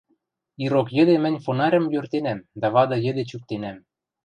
Ирок йӹде мӹнь фонарьым йӧртенӓм дӓ вады йӹде чӱктенӓм.